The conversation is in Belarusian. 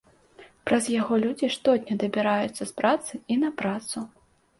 Праз яго людзі штодня дабіраюцца з працы і на працу.